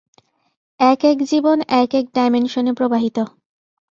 এক-এক জীবন এক-এক ডাইমেনশনে প্রবাহিত।